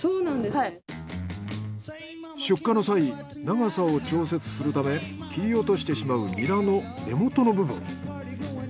出荷の際長さを調節するため切り落としてしまうニラの根元の部分。